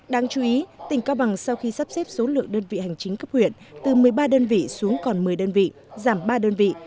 đáng chú ý tỉnh cao bằng sau khi sắp xếp số lượng đơn vị hành chính cấp huyện từ một mươi ba đơn vị xuống còn một mươi đơn vị giảm ba đơn vị